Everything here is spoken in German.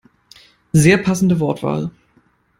Sehr passende Wortwahl!